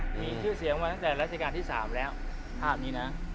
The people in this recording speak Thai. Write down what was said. มีชื่อเสียงมาตั้งแต่รัชกาลที่๓แล้วภาพนี้นะ